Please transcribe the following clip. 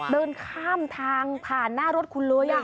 เดินข้ามทางผ่านหน้ารถคุณเลย